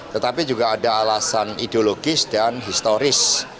tetapi juga ada alasan ideologis dan historis